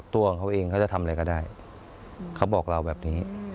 ตัวของเขาเองเขาจะทำอะไรก็ได้เขาบอกเราแบบนี้